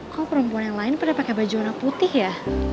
kok perempuan yang lain pernah pakai baju warna putih ya